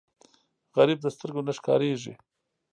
غریب د سترګو نه ښکارېږي